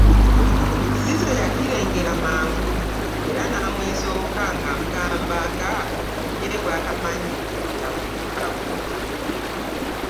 Cissy yakirengera mangu era n'amwesooka ng'amugamba nga ye bw'atamanyi bya kubikka buliri.